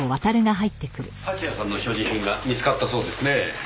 蜂矢さんの所持品が見つかったそうですねぇ。